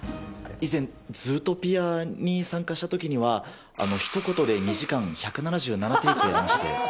以前、ズートピアに参加したときには、ひと言で２時間１７７テイクやりまして。